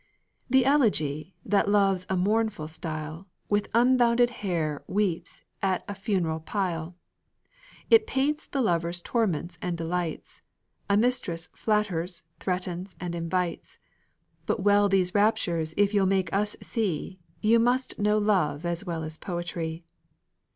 The Elegy, that loves a mournful style, With unbound hair weeps at a funeral pile; It paints the lover's torments and delights, A mistress flatters, threatens, and invites; But well these raptures if you'll make us see, You must know love as well as poetry.